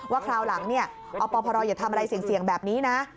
คราวหลังอปพรอย่าทำอะไรเสี่ยงแบบนี้นะ